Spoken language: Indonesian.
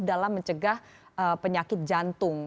dalam mencegah penyakit jantung